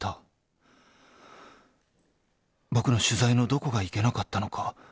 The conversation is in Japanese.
［僕の取材のどこがいけなかったのか？］